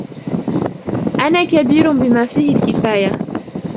أنا كبير بما فيه الكفاية.